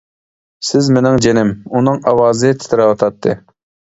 سىز مىنىڭ جىنىم. ئۇنىڭ ئاۋازى تىترەۋاتاتتى.